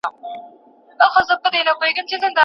څومره ښایسته وې ماشومتوبه خو چي نه تېرېدای